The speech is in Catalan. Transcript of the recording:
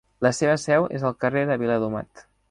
La seva seu és al carrer de Viladomat.